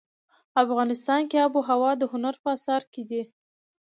افغانستان کې آب وهوا د هنر په اثار کې دي.